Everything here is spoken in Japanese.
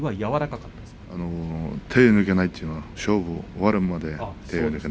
手が抜けないというか勝負が終わるまで。